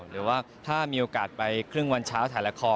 หรือว่าถ้ามีโอกาสไปครึ่งวันเช้าถ่ายละคร